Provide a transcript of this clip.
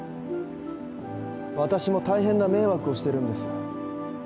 私も大変な迷惑をしてるんです。